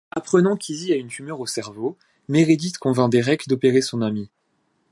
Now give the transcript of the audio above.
Apprenant qu'Izzie a une tumeur au cerveau, Meredith convainc Derek d'opérer son amie.